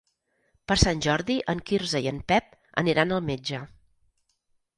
Per Sant Jordi en Quirze i en Pep aniran al metge.